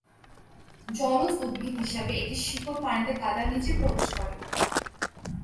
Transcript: জলজ উদ্ভিদ হিসেবে এটির শিকড় পানিতে কাদার নিচে প্রবেশ করে।